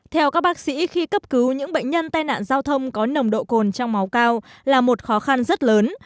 theo các bác sĩ khi cấp cứu những bệnh nhân tai nạn giao thông có nồng độ cồn trong máu cao là một khó khăn rất lớn